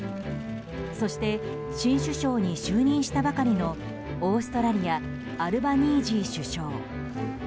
そして新首相に就任したばかりのオーストラリアアルバニージー首相。